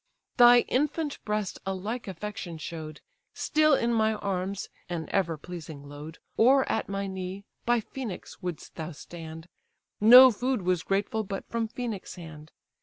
Thy infant breast a like affection show'd; Still in my arms (an ever pleasing load) Or at my knee, by Phœnix wouldst thou stand; No food was grateful but from Phœnix' hand.